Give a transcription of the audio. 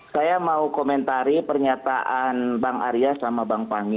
saya mau komentari pernyataan bang arya sama bang fahmi